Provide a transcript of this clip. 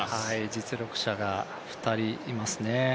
実力者が２人いますね。